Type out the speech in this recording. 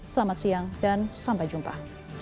selamat siang dan sampai jumpa